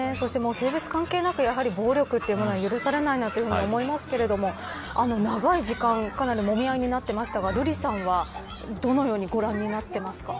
性別関係なく暴力というものは許されないなと思いますが長い時間、かなりもみ合いになっていましたが瑠麗さんはどう見てますか。